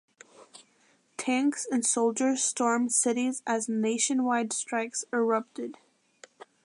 Tanks and soldiers stormed cities as nationwide strikes erupted.